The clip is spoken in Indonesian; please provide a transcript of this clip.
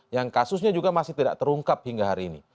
yang kasusnya juga masih tidak terungkap hingga hari ini